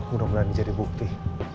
aku udah berani jadi bukti